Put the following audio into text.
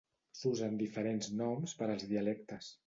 S'usen diferents noms per als dialectes.